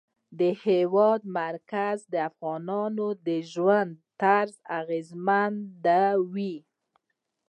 د هېواد مرکز د افغانانو د ژوند طرز اغېزمنوي.